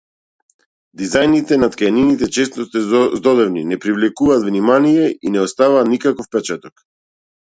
Дизајните на ткаенините често се здодевни, не привлекуваат внимание, и не оставаат никаков впечаток.